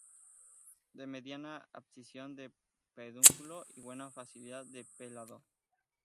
De mediana abscisión de pedúnculo y buena facilidad de pelado.